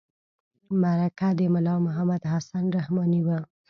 مرکه د ملا محمد حسن رحماني وه.